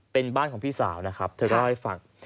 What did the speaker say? เป็นบ้านของพี่สาวนะครับเธอเล่าให้ฟัง